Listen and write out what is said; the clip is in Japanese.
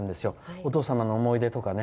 お父様の思い出とかね。